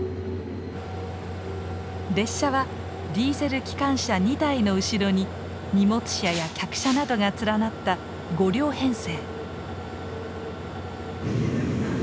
列車はディーゼル機関車２台の後ろに荷物車や客車などが連なった５両編成。